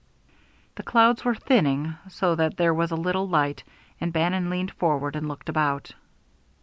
The clouds were thinning, so that there was a little light, and Bannon leaned forward and looked about.